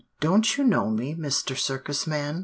"'Don't you know me, Mr. Circus man?